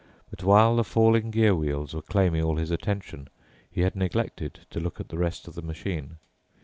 But while the falling gear wheels were claiming all his attention, he had neglected to look at the rest of the machine.